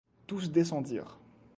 Tous descendirent.